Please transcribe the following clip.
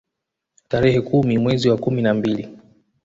Tarehe kumi mwezi wa kumi na mbili